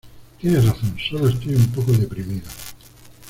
Tienes razón, sólo estoy un poco deprimido.